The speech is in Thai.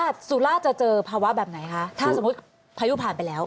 ถ้าสุราชจะเจอภาวะแบบไหนคะถ้าสมมุติพายุผ่านไปแล้ว